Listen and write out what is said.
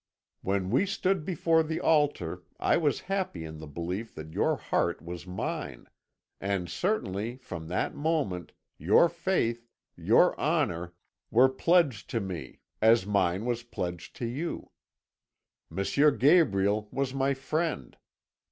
When we stood before the altar, I was happy in the belief that your heart was mine; and certainly from that moment, your faith, your honour, were pledged to me, as mine was pledged to you. M. Gabriel was my friend.